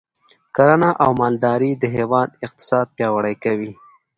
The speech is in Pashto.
کرنه او مالداري د هیواد اقتصاد پیاوړی کوي.